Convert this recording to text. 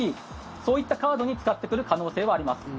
そういったカードに使ってくる可能性はあります。